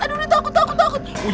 aduh ini takut takut takut